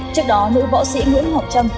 trước đó nữ võ sĩ nguyễn ngọc trâm